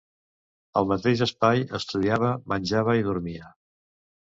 Al mateix espai estudiava, menjava i dormia.